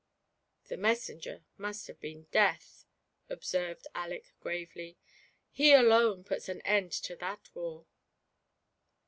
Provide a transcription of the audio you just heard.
" The messenger must have been Death," observed Aleck, gravely ;*' he alone puts an end to that war."